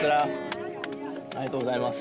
ありがとうございます。